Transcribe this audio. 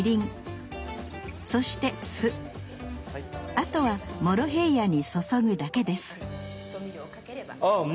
あとはモロヘイヤに注ぐだけですあっ